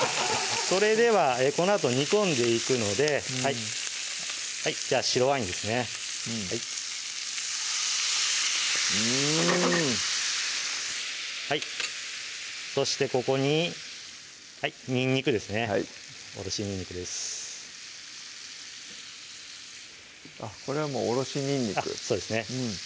それではこのあと煮込んでいくのでじゃあ白ワインですねうんそしてここににんにくですねおろしにんにくですあっこれはもうおろしにんにくそうですね